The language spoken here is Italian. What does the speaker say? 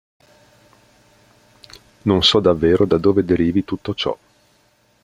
Non so davvero da dove derivi tutto ciò.